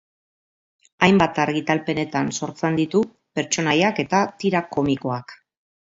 Hainbat argitalpenetan sortzen ditu pertsonaiak eta tira komikoak.